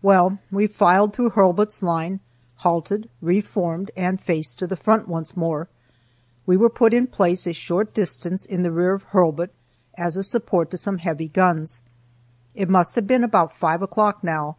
Well, we filed through Hurlbut's line, halted, re formed, and faced to the front once more. We were put in place a short distance in the rear of Hurlbut, as a support to some heavy guns. It must have been about five o'clock now.